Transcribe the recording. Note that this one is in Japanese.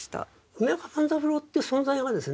梅若万三郎って存在はですね